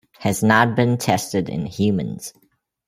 Has not been tested in humans.